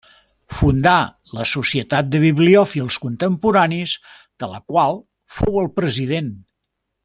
Fundà la Societat de Bibliòfils Contemporanis, de la qual fou el president.